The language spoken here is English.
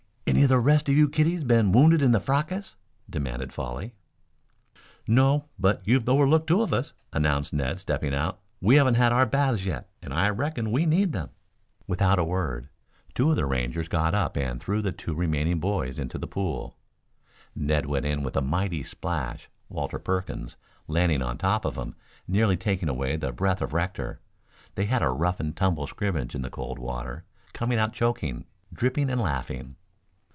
"Any of the rest of you kiddies been wounded in the fracas?" demanded Folly. "No, but you've overlooked two of us," announced Ned stepping out. "We haven't had our baths yet and I reckon we need them." Without a word, two of the Rangers got up and threw the two remaining boys into the pool. Ned went in with a mighty splash, Walter Perkins landing on top of him, nearly taking away the breath of Rector. They had a rough and tumble scrimmage in the cold water, coming out choking, dripping and laughing.